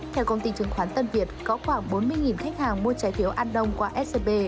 theo công ty chứng khoán tân việt có khoảng bốn mươi khách hàng mua trái phiếu an đông qua scb